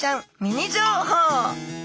ミニ情報！